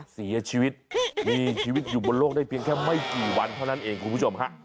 เสียชีวิตมีชีวิตอยู่บนโลกได้เพียงแค่ไม่กี่วันเท่านั้นเองคุณผู้ชมฮะ